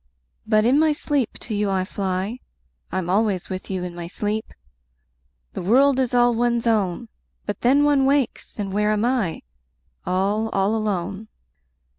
5 But in my sleep to you I fly: I'm always with you in my sleep! The world is all one's own. But then one wakes, and where am I? All, all alone.